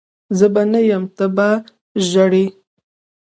زه به نه یم ته به ژهړي